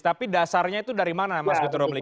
tapi dasarnya itu dari mana mas gunter omli